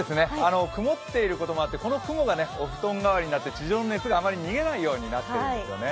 曇っていることもあって、この雲がお布団がわりになって地上の熱があまり逃げないようになっているんですね。